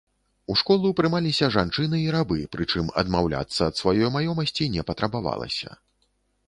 У школу прымаліся жанчыны і рабы, прычым адмаўляцца ад сваёй маёмасці не патрабавалася.